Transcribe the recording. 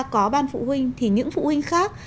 có ban phụ huynh thì những phụ huynh khác